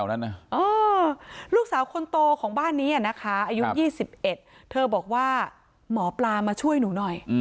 องค์รูปสาวคนโตของบ้านนี้เนี่ยนะคะอายุยี่สิบเอ็ดเธอบอกว่าหมอปลามาช่วยหนูหน่อย